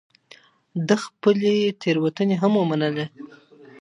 ده خپلې تېروتني هم ومنلې